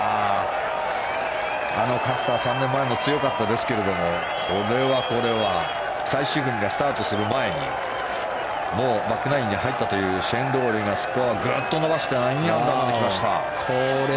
勝った３年前も強かったですがこれはこれは最終組がスタートする前にもうバックナインに入ったシェーン・ロウリーがスコアをぐっと伸ばして９アンダーまで来ました。